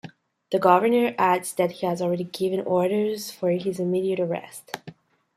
The governor adds that he has already given orders for his immediate arrest.